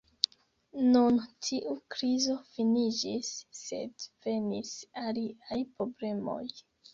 Nun tiu krizo finiĝis, sed venis aliaj problemoj.